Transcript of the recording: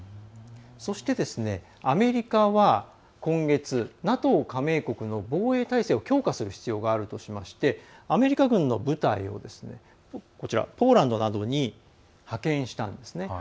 そして、アメリカは今月ＮＡＴＯ加盟国の防衛態勢を強化する必要があるとしましてアメリカ軍の部隊をポーランドなどに派遣したんですね。